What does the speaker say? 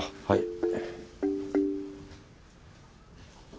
はい。